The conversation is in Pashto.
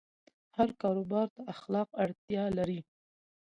هر کاروبار ته اخلاق اړتیا لري.